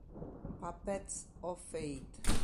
Puppets of Fate